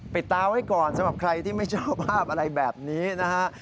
ตาไว้ก่อนสำหรับใครที่ไม่ชอบภาพอะไรแบบนี้นะฮะ